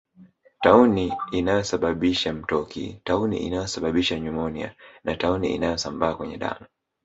Tauni inayosababisha mtoki tauni inayosababisha nyumonia na tauni inayosambaa kwenye damu